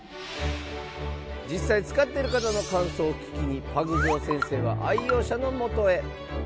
実際使っている方の感想を聞きにパグゾウ先生は愛用者のもとへ。